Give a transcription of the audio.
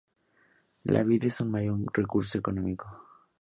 La vid es su mayor recurso económico.